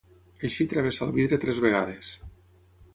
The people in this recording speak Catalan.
Així travessa el vidre tres vegades.